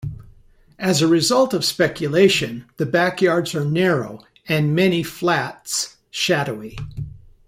As a result of speculation, the backyards are narrow, and many flats shadowy.